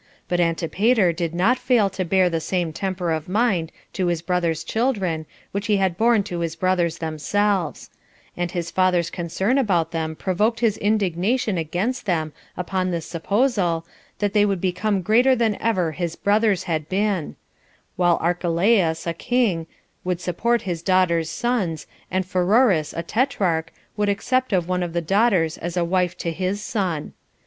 But Antipater did not fail to bear the same temper of mind to his brothers' children which he had borne to his brothers themselves; and his father's concern about them provoked his indignation against them upon this supposal, that they would become greater than ever his brothers had been; while Archelaus, a king, would support his daughter's sons, and Pheroras, a tetrarch, would accept of one of the daughters as a wife to his son.